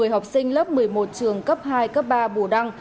một mươi học sinh lớp một mươi một trường cấp hai cấp ba bù đăng